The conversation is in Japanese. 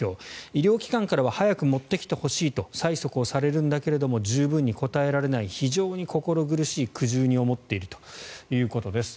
医療機関からは早く持ってきてほしいと催促されるんだけど十分に応えられない非常に心苦しい苦渋に思っているということです。